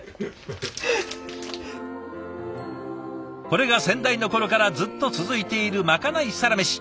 これが先代の頃からずっと続いているまかないサラメシ。